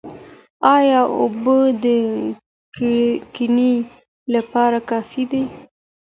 ايا اوبه د کرني لپاره کافي دي؟